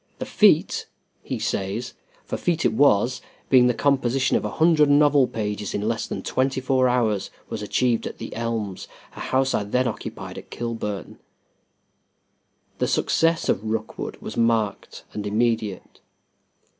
"The feat," he says, "for feat it was, being the composition of a hundred novel pages in less than twenty four hours, was achieved at 'The Elms,' a house I then occupied at Kilburn." The success of "Rookwood" was marked and immediate.